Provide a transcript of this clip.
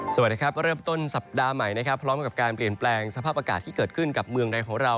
สวัสดีครับเริ่มต้นสัปดาห์ใหม่นะครับพร้อมกับการเปลี่ยนแปลงสภาพอากาศที่เกิดขึ้นกับเมืองใดของเรา